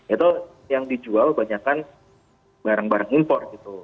itu yang dijual banyakan barang barang impor gitu